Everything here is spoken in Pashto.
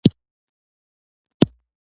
هره ورځ یو نوی درس زده کول مهم دي.